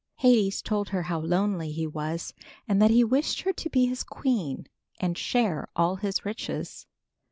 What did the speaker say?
Hades told her how lonely he was, and that he wished her to be his queen and share all his riches.